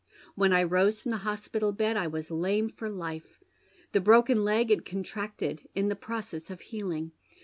When I rose from the hospital bed I was lame for life. The broken leg had contracted in the process of healing.